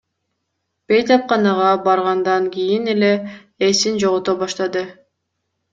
Бейтапканага баргандан кийин эле эсин жогото баштады.